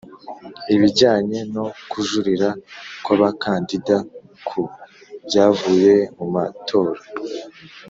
ibijyanye no kujurira kw abakandida ku byavuye mu matora